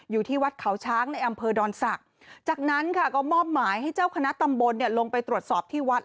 อยู่ที่วัดเขาช้างในอำเภอดอนศักดิ์จากนั้นค่ะก็มอบหมายให้เจ้าคณะตำบลลงไปตรวจสอบที่วัด